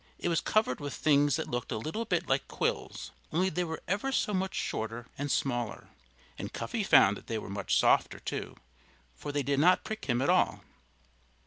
It was covered with things that looked a little bit like quills, only they were ever so much shorter and smaller. And Cuffy found that they were much softer, too, for they did not prick him at all.